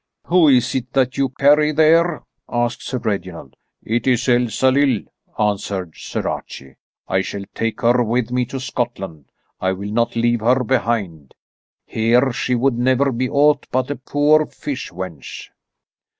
"Who is that you carry there?" asked Sir Reginald. "It is Elsalill," answered Sir Archie. "I shall take her with me to Scotland. I will not leave her behind. Here she would never be aught but a poor fish wench."